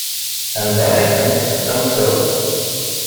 Anda ay tent-tessamseḍ?